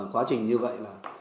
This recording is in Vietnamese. quá trình như vậy là